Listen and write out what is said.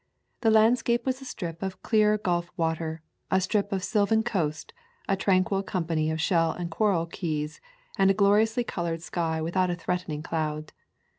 The landscape was a strip of clear Gulf water, a strip of sylvan coast, a tranquil company of shell and coral keys, and a gloriously colored sky without a threatening cloud.